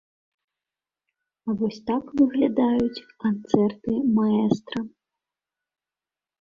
А вось так выглядаюць канцэрты маэстра.